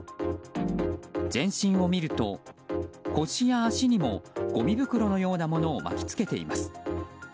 全身を見ると腰や足にもごみ袋のようなものを巻き付けています。